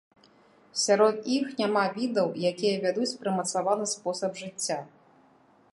Сярод іх няма відаў, якія вядуць прымацаваны спосаб жыцця.